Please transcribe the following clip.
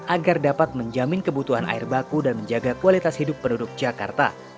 agar dapat menjamin kebutuhan air baku dan menjaga kualitas hidup penduduk jakarta